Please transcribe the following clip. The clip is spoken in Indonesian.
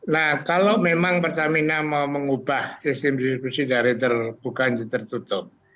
nah kalau memang pertamina mau mengubah sistem distribusi dari terbuka ke tertutup